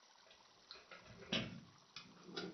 Rád vám to ukáži.